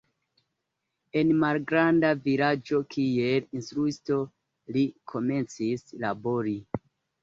En malgranda vilaĝo kiel instruisto li komencis labori.